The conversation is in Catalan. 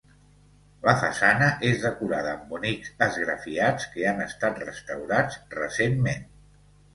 La façana és decorada amb bonics esgrafiats que han estat restaurats recentment.